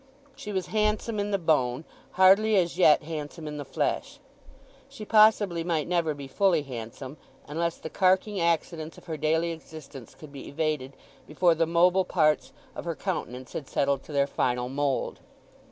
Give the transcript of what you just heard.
She was handsome in the bone, hardly as yet handsome in the flesh. She possibly might never be fully handsome, unless the carking accidents of her daily existence could be evaded before the mobile parts of her countenance had settled to their final mould.